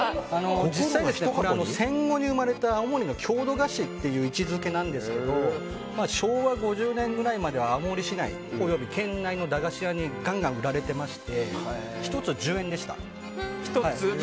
実際、戦後に生まれた青森の郷土菓子という位置づけですが昭和５０年ぐらいまでは青森市内県内の駄菓子屋にガンガン売られていまして１粒１０円でした。